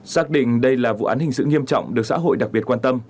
xác định đây là vụ án hình sự nghiêm trọng được xã hội đặc biệt quan tâm